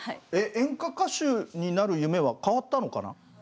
演歌歌手になる夢は変わったのかな？